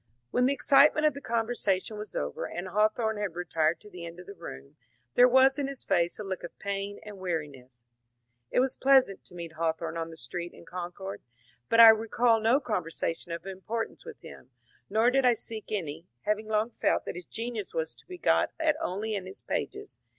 When the excitement of the conversation was over and Hawthorne had retired to the end of the room, there was in his face a look of pain and weariness. It was pleasant to meet Hawthorne on the street in Con cord, but I recall no conversation of importance with him, nor did I seek any, having long felt that his genius was to be got at only in his pages.